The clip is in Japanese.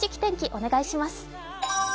お願いします。